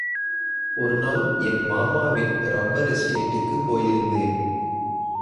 ஒருநாள் என் மாமாவின் ரப்பர் எஸ்டேட்டுக்குப் போயிருந்தேன்.